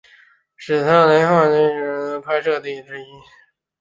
史特雷特号驱逐舰为电视剧末日孤舰的拍摄地点之一